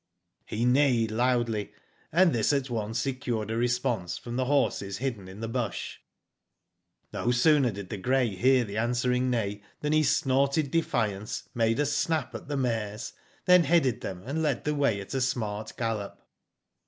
'* He neighed loudly, and this at once secured a response from the horses hidden in the bush. No sooner did the grey hear the answering neigh, than he snorted defiance, made a snap at the mares, then headed them, and led the way at a smart gallop.